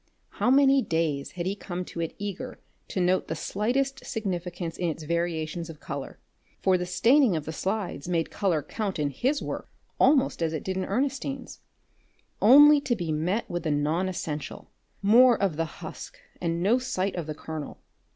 How many days he had come to it eager to note the slightest significance in its variations of colour, for the staining of the slides made colour count in his work almost as it did in Ernestine's, only to be met with the non essential, more of the husk and no sight of the kernel.